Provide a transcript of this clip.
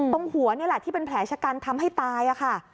ตรงหัวนี่แหละที่เป็นแผลชะกันทำให้ตายค่ะ